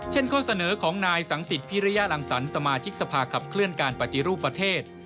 ข้อเสนอของนายสังสิทธิพิริยรังสรรค์สมาชิกสภาขับเคลื่อนการปฏิรูปประเทศ